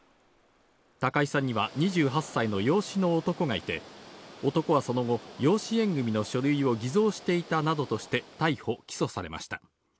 高井さんには２８歳の養子の男がいて、男はその後、養子縁組の書類を偽造していたなどとして逮捕・起訴されました。